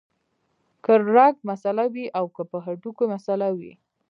کۀ رګ مسئله وي او کۀ د هډوکي مسئله وي